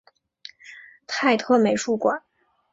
泰特美术馆。